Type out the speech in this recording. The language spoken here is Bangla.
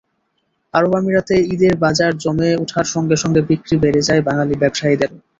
আরব আমিরাতে ঈদের বাজার জমে ওঠার সঙ্গে সঙ্গে বিক্রি বেড়ে যায় বাঙালি ব্যবসায়ীদেরও।